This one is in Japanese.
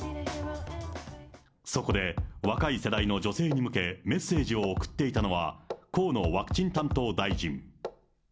そこで、若い世代の女性に向け、メッセージを送っていたのは、河野ワクチン担当大臣。